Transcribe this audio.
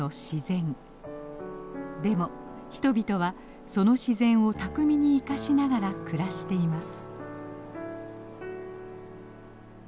でも人々はその自然を巧みに生かしながら暮らしています。